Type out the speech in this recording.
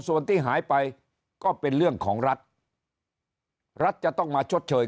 ส่วนที่หายไปก็เป็นเรื่องของรัฐรัฐจะต้องมาชดเชย